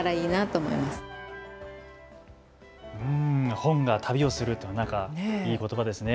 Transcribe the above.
本が旅をするといういいことばですね。